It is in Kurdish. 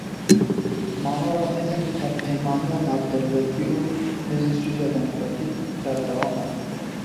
Manora hêzên Hevpeymaniya Navdewletî û Hêzên Sûriya Demokratîk berdewam e.